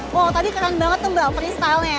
wow tadi keren banget tuh mbak freestyle nya